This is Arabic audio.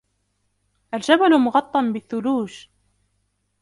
الجبل مغطى بالثلوج.